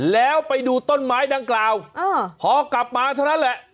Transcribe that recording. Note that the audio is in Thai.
แล้วไปดูต้นไม้ดังกล่าวพอกลับมาเท่านั้นแหละ